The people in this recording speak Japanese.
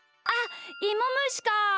あっいもむしか。